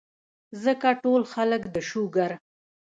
ځکه ټول خلک د شوګر ،